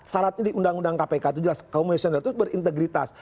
syaratnya di undang undang kpk itu jelas komisioner itu berintegritas